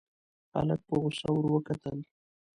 هلک په غوسه ور وکتل.